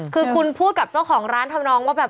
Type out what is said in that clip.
คือคุณพูดกับเจ้าของร้านทำนองว่าแบบ